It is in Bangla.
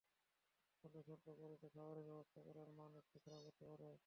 ফলে স্বল্প খরচে খাবারের ব্যবস্থা করায় মান একটু খারাপ হতে পারে।